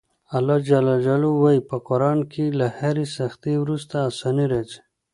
الله ج وایي په قران کې له هرې سختي وروسته اساني راځي.